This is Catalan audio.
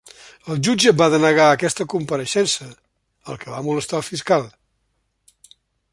El jutge va denegar aquesta compareixença, el que va molestar el fiscal.